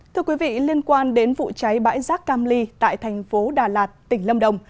thưa quý vị liên quan đến vụ cháy bãi rác cam ly tại thành phố đà lạt tỉnh lâm đồng